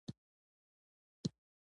نړۍ تاته ستا د بې حسابه اخلاص سزا درکوي.